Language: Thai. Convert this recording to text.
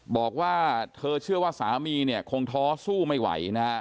บอกว่าเธอเชื่อว่าสามีคงท้อสู้ไม่ไหว